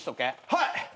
はい！